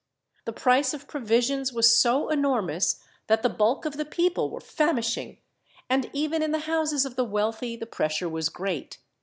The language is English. The price of provisions was so enormous, that the bulk of the people were famishing, and even in the houses of the wealthy the pressure was great.